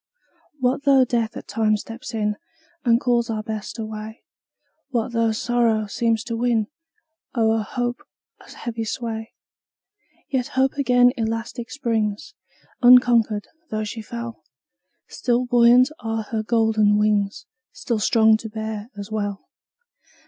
What though Death at times steps in, And calls our Best away? What though sorrow seems to win, O'er hope, a heavy sway? Yet Hope again elastic springs, Unconquered, though she fell; Still buoyant are her golden wings, Still strong to bear us well.